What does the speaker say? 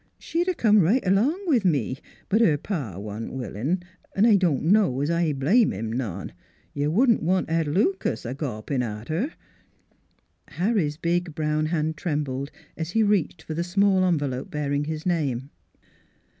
... She'd a come right along with me; but her pa wa'n't willin', V I don' know 's I blame 'im none. You wouldn't want Ed Lucas a gawpin' at her." Harry's big brown hand trembled as he reached for the small envelope bearing his name.